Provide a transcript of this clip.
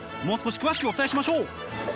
もう少し詳しくお伝えしましょう。